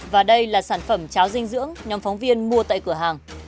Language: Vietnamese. và đây là sản phẩm cháo dinh dưỡng nhóm phóng viên mua tại cửa hàng